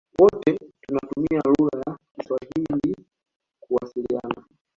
Wote tunatumia lugha ya kiswahili kuwasiliana